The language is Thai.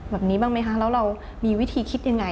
แบบนี้บ้างไหมคะแล้วเรามีวิธีคิดยังไง